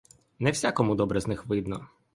Не всякому добре з них видно.